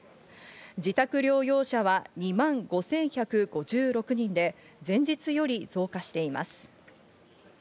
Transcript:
自宅療養者は２万５１５６人で、前日より増加しています。